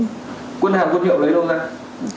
quân hàng quân hiệu lấy đâu ra